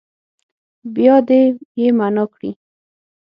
بیا دې يې معنا کړي.